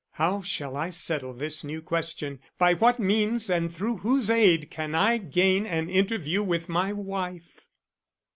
"How shall I settle this new question? By what means and through whose aid can I gain an interview with my wife?"